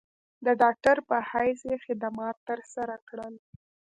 د ډاکټر پۀ حېث خدمات تر سره کړل ۔